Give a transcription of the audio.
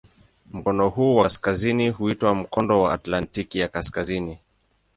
Mkono huu wa kaskazini huitwa "Mkondo wa Atlantiki ya Kaskazini".